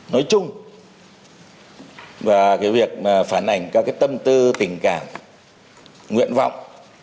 nói chung và cái việc mà phản ảnh các cái tâm tư tình cảm nguyện vọng